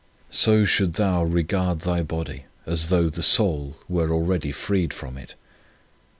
1 So shouldst thou regard thy body, as though the soul were already freed from it.